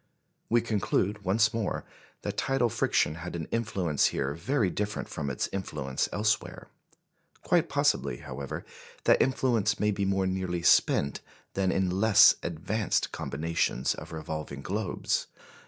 We conclude once more that tidal friction had an influence here very different from its influence elsewhere. Quite possibly, however, that influence may be more nearly spent than in less advanced combinations of revolving globes.